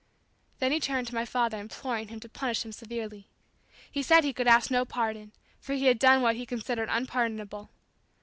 Then he turned to my father imploring him to punish him severely. He said he could ask no pardon, for he had done what he considered unpardonable.